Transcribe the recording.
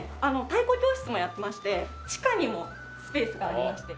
太鼓教室もやってまして地下にもスペースがありまして。